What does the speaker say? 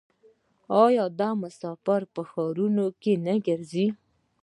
آیا دا مسافر په ښارونو کې نه ګرځي؟